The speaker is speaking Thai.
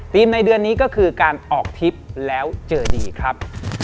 ในเดือนนี้ก็คือการออกทริปแล้วเจอดีครับ